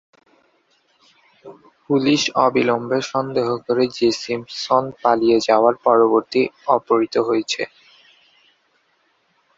Police অবিলম্বে সন্দেহ করে যে সিম্পসন পালিয়ে যাওয়ার পরিবর্তে অপহৃত হয়েছে।